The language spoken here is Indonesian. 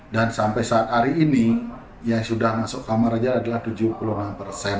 kondisi ini membuat jumlah ketersediaan kasur di ruang perawatan rumah sakit sudah mencapai tujuh puluh lima persen